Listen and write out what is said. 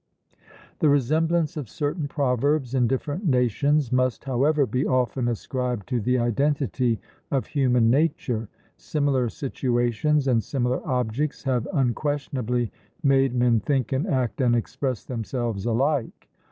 The resemblance of certain proverbs in different nations, must, however, be often ascribed to the identity of human nature; similar situations and similar objects have unquestionably made men think and act and express themselves alike.